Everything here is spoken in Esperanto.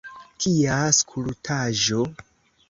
Kia stultaĵo!